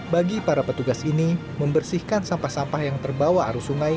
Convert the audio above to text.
bagi para petugas ini membersihkan sampah sampah yang terbawa arus sungai